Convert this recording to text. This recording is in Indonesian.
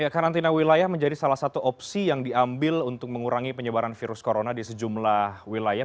karantina wilayah menjadi salah satu opsi yang diambil untuk mengurangi penyebaran virus corona di sejumlah wilayah